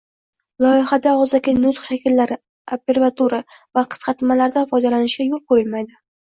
Loyihada og‘zaki nutq shakllari, abbreviatura va qisqartmalardan foydalanishga yo‘l qo‘yilmaydi